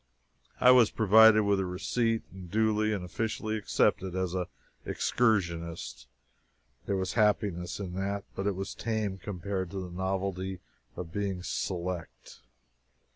I was provided with a receipt and duly and officially accepted as an excursionist. There was happiness in that but it was tame compared to the novelty of being "select."